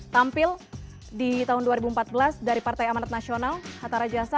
tampil di tahun dua ribu empat belas dari partai amanat nasional hatta rajasa